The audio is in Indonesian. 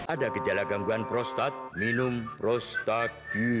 ada gejala gangguan prostat minum prostat